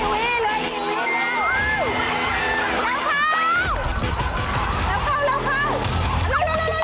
เร็วเข้า